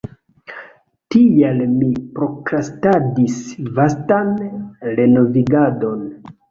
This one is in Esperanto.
Tial mi prokrastadis vastan renovigadon.